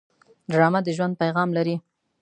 ډرامه د ژوند پیغام لري